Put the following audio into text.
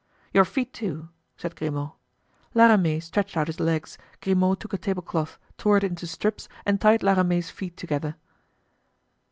"Your feet, too," said Grimaud. La Ramee stretched out his legs, Grimaud took a table cloth, tore it into strips and tied La Ramee's feet together.